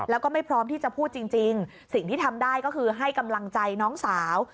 แล้วก็ไม่พร้อมที่จะพูดจริงสิ่งที่ทำได้ก็คือให้กำลังใจน้องสาว